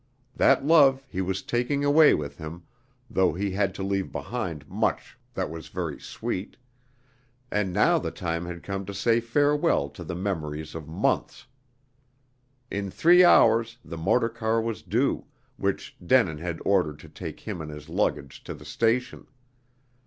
That love he was taking away with him, though he had to leave behind much that was very sweet; and now the time had come to say farewell to the memories of months. In three hours the motor car was due, which Denin had ordered to take him and his luggage to the station.